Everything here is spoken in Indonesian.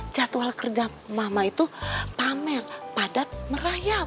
jadwal kerja mama itu pamer padat merayap